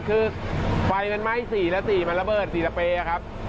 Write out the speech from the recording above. คือไฟมันไหม้๔และ๔มันระเบิด๔สเปย์ครับ